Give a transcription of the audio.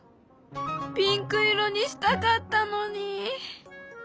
ピンク色にしたかったのに。